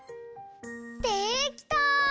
できた！